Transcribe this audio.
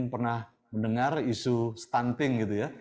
pernah mendengar isu stunting gitu ya